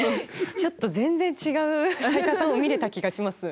ちょっと全然違う斉田さんを見れた気がします。